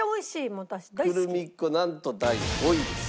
なんと第５位です。